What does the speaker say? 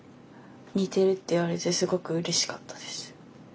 似てるって言われてすごくうれしかったです。